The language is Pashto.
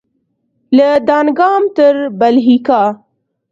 له دانګام تر بلهیکا